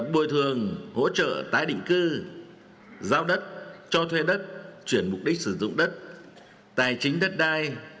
bồi thường hỗ trợ tái định cư giao đất cho thuê đất chuyển mục đích sử dụng đất tài chính đất đai